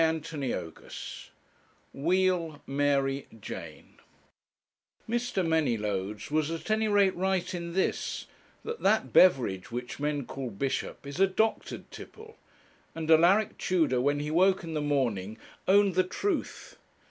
CHAPTER X WHEAL MARY JANE Mr. Manylodes was, at any rate, right in this, that that beverage, which men call bishop, is a doctored tipple; and Alaric Tudor, when he woke in the morning, owned the truth.